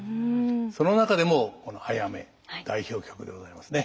その中でもこの「あやめ」代表曲でございますね。